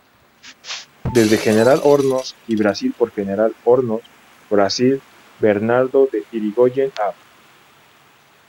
Desde General Hornos y Brasil por General Hornos, Brasil, Bernardo de Irigoyen, Av.